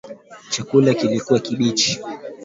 Chakula kilikuwa kibichi